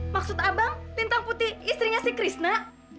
maksud abang lintang putih istrinya si krisna